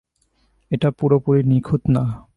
এটা পুরোপুরি নিখুঁত না।